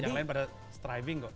yang lain pada striving kok